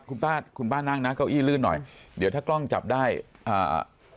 คุณป้าคุณป้านั่งนะเก้าอี้ลื่นหน่อยเดี๋ยวถ้ากล้องจับได้อ่า